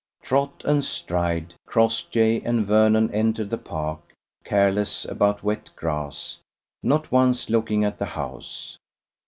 Trot and stride, Crossjay and Vernon entered the park, careless about wet grass, not once looking at the house.